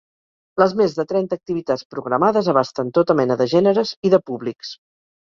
Les més de trenta activitats programades abasten tota mena de gèneres i de públics.